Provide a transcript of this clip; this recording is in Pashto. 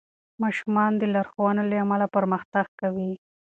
ماشومان د لارښوونو له امله پرمختګ کوي.